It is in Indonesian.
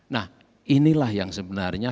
nah inilah yang sebenarnya